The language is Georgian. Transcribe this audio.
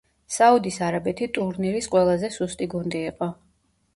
საუდის არაბეთი ტურნირის ყველაზე სუსტი გუნდი იყო.